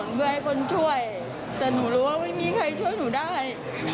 มาไม่รู้หรอหนูรู้ว่ะไม่มีใครช่วยหนูได้